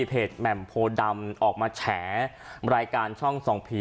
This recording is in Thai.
แหม่มโพดำออกมาแฉรายการช่องส่องผี